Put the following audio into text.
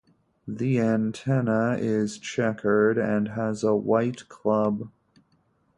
The antenna is chequered and has a white club.